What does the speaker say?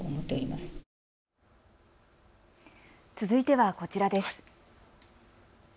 続いてはこちらです。